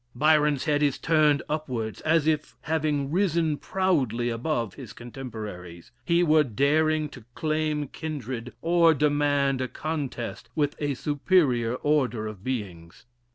Byron's head is turned upwards as if having risen proudly above his contemporaries, he were daring to claim kindred, or demand a contest with a superior order of beings.